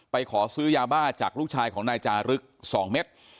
ขอซื้อยาบ้าจากลูกชายของนายจารึก๒เม็ด